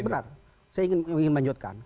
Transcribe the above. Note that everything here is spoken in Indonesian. sebenarnya ya oke semenar saya ingin menyebutkan